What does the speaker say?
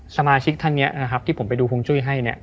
สมาชิกท่านนี้นะครับที่ผมไปดูฮวงจุ้ยให้เนี่ย